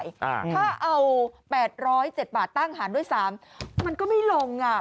ถ้าเอา๘๐๗บาทตั้งอาหารด้วย๓มันก็ไม่ลง